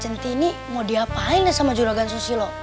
centini mau diapain ya sama juragan susilo